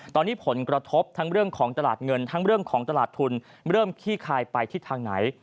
ตอนนี้ผลกระทบทั้งเรื่องของตลาดเงินทั้งเรื่องของตลาดทุนเริ่มขี้คายไปทิศทางไหน